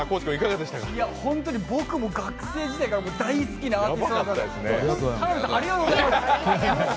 僕も学生時代から大好きなアーティストだったんでホント、田辺さん、ありがとうございます。